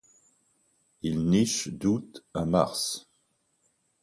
Il niche d'août à mars.